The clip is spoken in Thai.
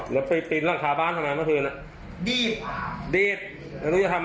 หรือติดรึเปลี่ยนรังขาบ้านทำไมเมื่อเทือน